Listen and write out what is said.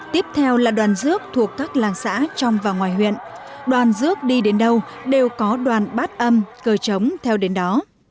tiếp theo là đoàn rước thuộc các làng xã trong và ngoài huyện đoàn rước đi đến đâu đều có đoàn bát âm cờ trống theo đến đó